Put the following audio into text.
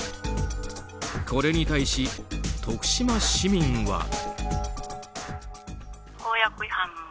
これに対し徳島市民は。